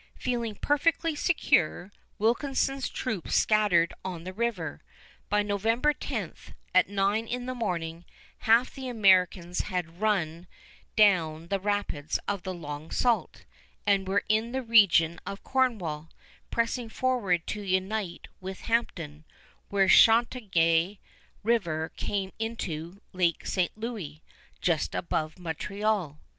Feeling perfectly secure, Wilkinson's troops scattered on the river. By November 10, at nine in the morning, half the Americans had run down the rapids of the Long Sault, and were in the region of Cornwall, pressing forward to unite with Hampton, where Chateauguay River came into Lake St. Louis, just above Montreal.